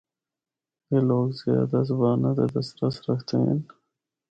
اے لوگ زیادہ زباناں تے دسترس رکھدے ہن۔